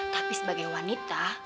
tapi sebagai wanita